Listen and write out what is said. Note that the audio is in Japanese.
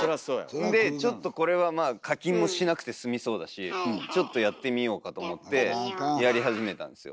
でちょっとこれは課金もしなくて済みそうだしちょっとやってみようかと思ってやり始めたんですよ。